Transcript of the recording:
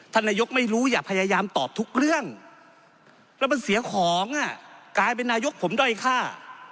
ท่านนายกไม่รู้อย่าพยายามตอบทุกเรื่องแล้วมันเสียของกลายเป็นนายกผมด้อยค่า